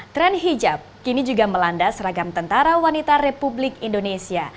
tren hijab kini juga melanda seragam tentara wanita republik indonesia